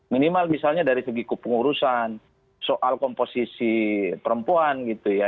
minimal misalnya dari segi kepengurusan soal komposisi perempuan gitu ya